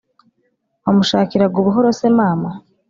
wamushakiraga ubuhoro se mama?"